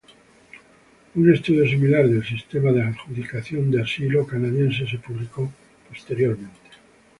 Un estudio similar del sistema de adjudicación de asilo canadiense se publicó posteriormente.